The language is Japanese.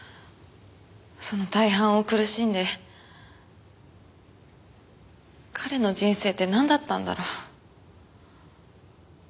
その大半を苦しんで彼の人生ってなんだったんだろう。